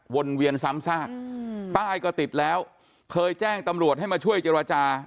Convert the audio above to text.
เวียนซ้ำซากป้ายก็ติดแล้วเคยแจ้งตำรวจให้มาช่วยเจรจา